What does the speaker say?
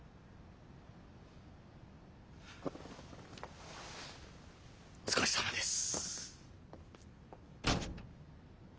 お疲れさまです。